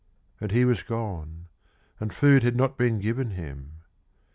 And he was gone and food had not been given him.